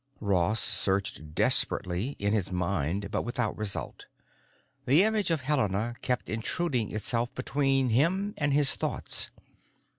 Ross searched desperately in his mind; but without result. The image of Helena kept intruding itself between him and his thoughts.